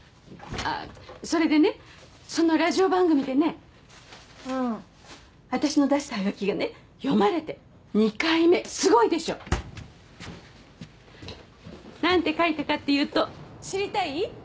それでねそのラジオ番組でねうん私の出したハガキがね読まれて２回目すごいでしょ？なんて書いたかっていうと知りたい？